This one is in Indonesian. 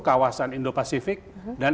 kawasan indo pacific dan